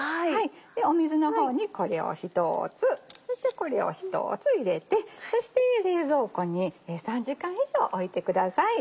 水の方にこれを１つそしてこれを１つ入れてそして冷蔵庫に３時間以上おいてください。